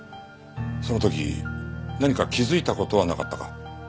その時何か気づいた事はなかったか？